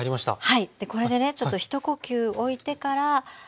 はい。